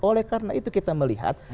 oleh karena itu kita melihat